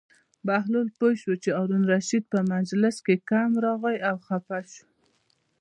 بهلول پوه شو چې هارون الرشید په مجلس کې کم راغی او خپه شو.